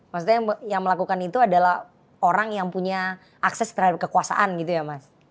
maksudnya yang melakukan itu adalah orang yang punya akses terhadap kekuasaan gitu ya mas